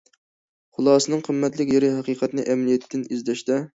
خۇلاسىنىڭ قىممەتلىك يېرى ھەقىقەتنى ئەمەلىيەتتىن ئىزدەشتە.